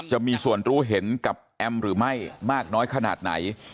จะมีส่วนรู้เห็นกับแอมหรือไม่มากน้อยขนาดไหน